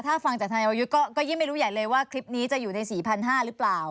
ถ้าฟังจากธนายวรยุทธ์ก็ยิ่งไม่รู้ใหญ่เลยว่าคลิปนี้จะอยู่ใน๔๕๐๐หรือเปล่า